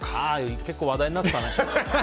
結構話題になったね。